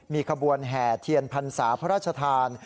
มีขบวนแห่เทียนพรรษาพระราชทาน